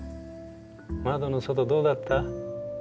窓の外どうだった？